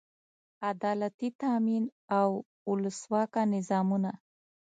عدالتي تامین او اولسواکه نظامونه.